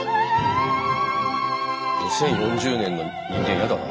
２０４０年の人間やだな。